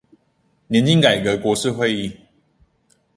年金改革國是會議